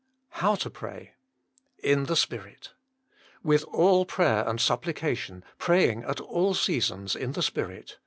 now TO PRAT. In tlje Spirit "With all prayer and supplication, praying at all seasons in tl e Spirit."